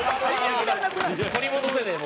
取り戻せねえもう。